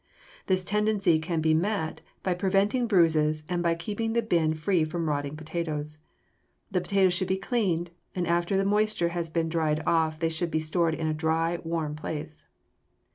This tendency can be met by preventing bruises and by keeping the bin free from rotting potatoes. The potatoes should be cleaned, and after the moisture has been dried off they should be stored in a dry, warm place.